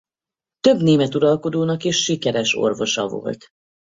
Több német uralkodónak is sikeres orvosa volt.